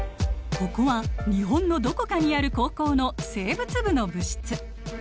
ここは日本のどこかにある高校の生物部の部室。